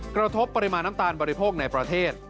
กระทบปริมาณน้ำตาลบริโภคในประเทศ